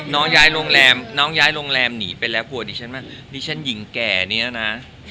น้องย้ายโรงแรมนี่ไปแล้วกลัวดิฉันว่างดิฉันหญิงแก่เนี่ยนะ